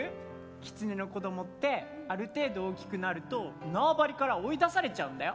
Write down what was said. キツネの子どもってある程度大きくなると縄張りから追い出されちゃうんだよ。